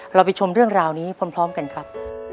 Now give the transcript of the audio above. เราไปชมเรื่องราวนี้พร้อมกันครับ